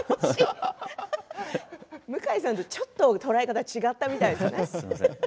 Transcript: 向井さんとちょっと捉え方が違ったみたいですね。